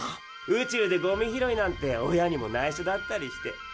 宇宙でゴミ拾いなんて親にもないしょだったりして。